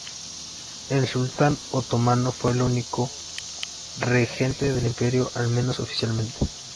El sultán otomano fue el único regente del imperio, al menos oficialmente.